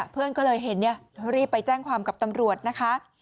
เพื่อนก็เลยเห็นรีบไปแจ้งความกับตำรวจนะคะ